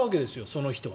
その人は。